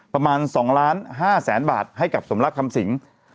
ประมาณ๒๕๐๐๐๐๐บาทให้กับสมรักษณ์คำสิงฯ